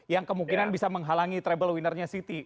yang kemungkinan bisa menghalangi treble winner nya city